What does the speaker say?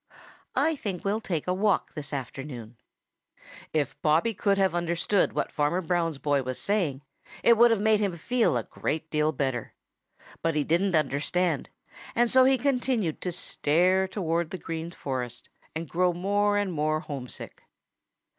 I think we'll take a walk this afternoon." If Bobby could have understood what Farmer Brown's boy was saying, it would have made him feel a great deal better. But he didn't understand, and so he continued to stare towards the Green Forest and grow more and more homesick.